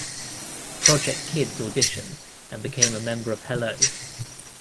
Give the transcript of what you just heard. Project Kids Audition and became a member of Hello!